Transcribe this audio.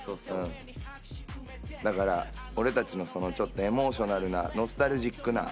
だから俺たちのエモーショナルなノスタルジックな。